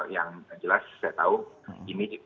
yang jelas saya tahu ini pernah terjadi juga